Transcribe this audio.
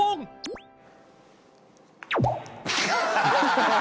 ハハハ